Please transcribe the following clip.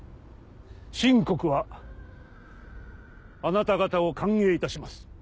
秦国はあなた方を歓迎いたします。